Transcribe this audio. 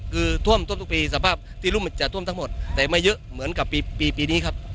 คือท่วมท้นทุกปีสภาพที่รุ่มมันจะท่วมทั้งหมดแต่ไม่เยอะเหมือนกับปีปีนี้ครับ